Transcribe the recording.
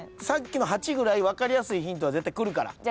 さっきの８ぐらい分かりやすいヒントが絶対来るから。